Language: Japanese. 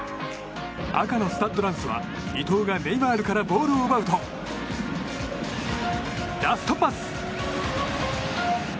赤のスタッド・ランスは伊東がネイマールからボールを奪うと、ラストパス。